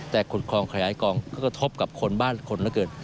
แต่ขุดคลองขยายกองก็กระทบกับคนบ้านคนเหลือเกิน